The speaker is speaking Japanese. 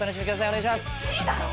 お願いします。